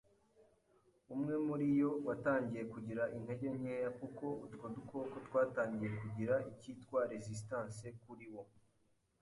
umwe muri yo watangiye kugira intege nkeya kuko utwo dukoko twatangiye kugira ikitwa 'resistance' kuri wo".